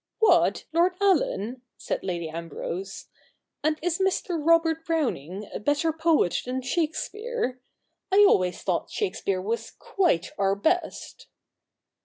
' What, Lord Allen ?' said Lady Ambrose, ' and is Mr. Robert Browning a better poet than Shakespeare ? I always thought Shakespeare was quite our best.'